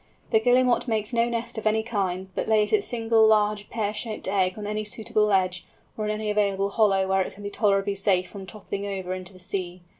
The Guillemot makes no nest of any kind, but lays its single large pear shaped egg on any suitable ledge, or in any available hollow where it can be tolerably safe from toppling over into the sea.